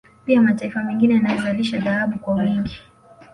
Pia mataifa mengine yanayozalisha dhahabu kwa wingi